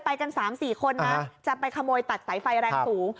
กัน๓๔คนนะจะไปขโมยตัดสายไฟแรงสูง